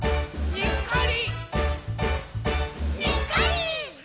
「にっこり！」